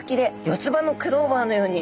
四つ葉のクローバーのように。